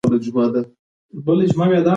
ریفورمونه ټولنیز ثبات رامنځته کوي.